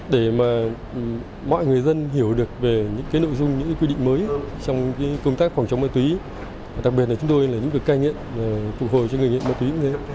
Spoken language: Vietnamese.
để mà mọi người dân hiểu được về những cái nội dung những cái quy định mới trong cái công tác phòng chống ma túy đặc biệt là chúng tôi là những cái ca nghiện phục hồi cho người nghiện ma túy cũng thế